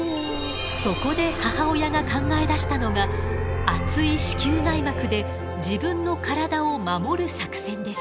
そこで母親が考え出したのが厚い子宮内膜で自分の体を守る作戦です。